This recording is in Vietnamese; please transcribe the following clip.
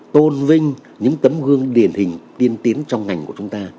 tôn vinh những tấm gương điển hình tiên tiến trong ngành của chúng ta